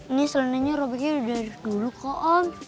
ini selendangnya robeknya udah dari dulu kok om